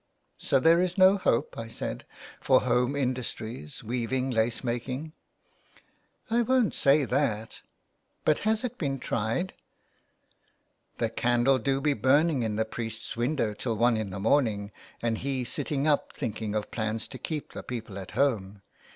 " So there is no hope," I said, '^ for home industries, weaving, lace making." " I won't say that'' " But has it been tried ?"*' The candle do be burning in the priest's window till one in the morning, and he sitting up thinking of plans to keep the people at home.